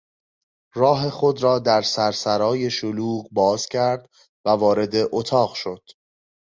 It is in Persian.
راه خود را در سرسرای شلوغ باز کرد و وارد اتاق شد.